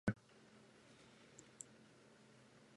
There are lots of types of galas, some of which are listed here.